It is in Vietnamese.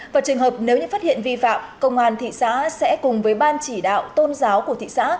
và trường hợp nếu như phát hiện vi phạm công an thị xã sẽ cùng với ban chỉ đạo tôn giáo của thị xã